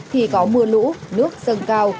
thì có mưa lũ nước dâng cao